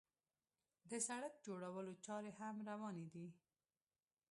د سړک جوړولو چارې هم روانې دي.